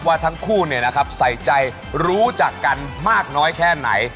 ว่าทั้งคู่เนี่ยนะครับใส่ใจรู้จักกันมากน้อยแค่ไหน